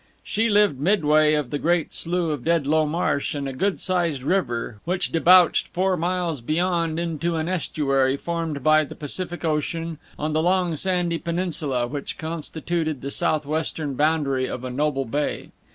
She lived midway of the great slough of Dedlow Marsh and a good sized river, which debouched four miles beyond into an estuary formed by the Pacific Ocean, on the long sandy peninsula which constituted the southwestern boundary of a noble bay.